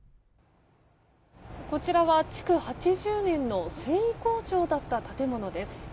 こちらは築８０年の繊維工場だった建物です。